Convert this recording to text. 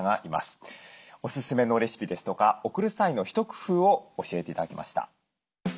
おすすめのレシピですとか送る際の一工夫を教えて頂きました。